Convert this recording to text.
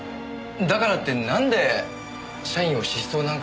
だからってなんで社員を失踪なんかさせたんですか？